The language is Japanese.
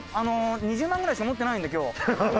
２０万ぐらいしか持ってないんで今日。